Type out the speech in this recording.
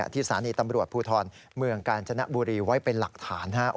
ที่สถานีตำรวจภูทรเมืองกาญจนบุรีไว้เป็นหลักฐาน